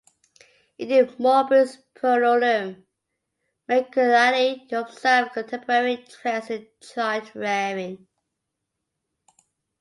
In "De morbis puerorum", Mercuriali observed contemporary trends in child-rearing.